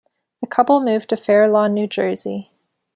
The couple moved to Fair Lawn, New Jersey.